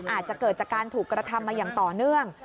อาจจะเกิดจากการถูกกระทำมาอย่างต่อเนื่อง